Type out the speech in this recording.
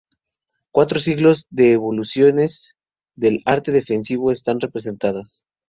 Cuatro siglos de evoluciones del arte defensivo están representadas.